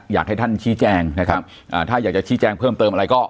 อยากให้ท่านชี้แจ้งถ้าอยากจะชี้แจ้งเพิ่มเติมอะไรก็